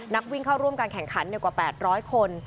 นักวิ่งเข้าร่วมการแข่งขันกว่า๘๐๐คน